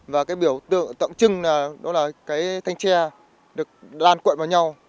và cái biểu tượng trưng đó là cái thanh tre được lan cuộn vào nhau